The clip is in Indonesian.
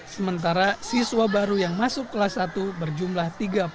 sementara siswa baru yang masuk kelas satu berjumlah tiga